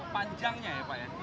panjangnya ya pak ya